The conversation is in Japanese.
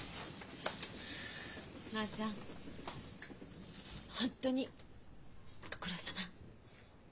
まあちゃん本当にご苦労さま。